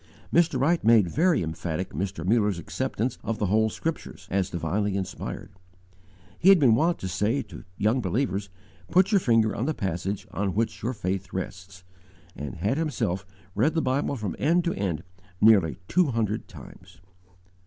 Mr. Wright made very emphatic Mr. Muller's acceptance of the whole Scriptures, as divinely inspired. He had been wont to say to young believers, "Put your finger on the passage on which your faith rests," and had himself read the Bible from end to end nearly two hundred times.